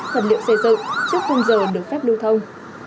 thật sự trước khung giờ được phép lưu thông